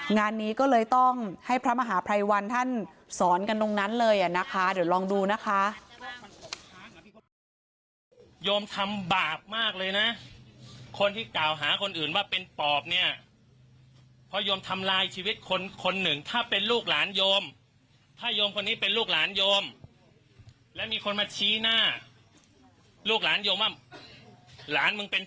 งานนี้ก็เลยต้องให้พระมหาภัยวันท่านสอนกันตรงนั้นเลยนะคะเดี๋ยวลองดูนะคะ